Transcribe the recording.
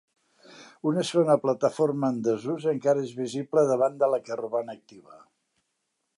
Una segona plataforma en desús encara és visible davant de la que roman activa.